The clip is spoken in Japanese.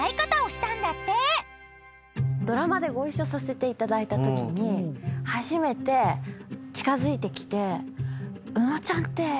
ドラマでご一緒させていただいたときに初めて近づいてきて。